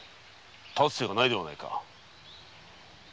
立つ瀬がないではないか。